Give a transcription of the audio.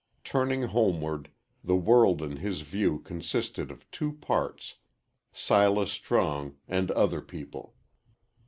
Turning homeward, the world in his view consisted of two parts Silas Strong and other people.